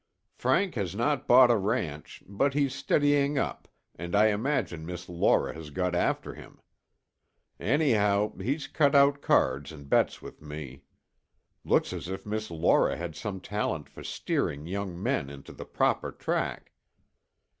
"Frank has not bought a ranch, but he's steadying up and I imagine Miss Laura has got after him. Anyhow, he's cut out cards and bets with me. Looks as if Miss Laura had some talent for steering young men into the proper track."